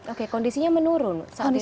oke kondisinya menurun saat ini